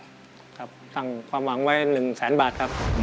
สั่งความหวังว่า๑แสนบาทครับ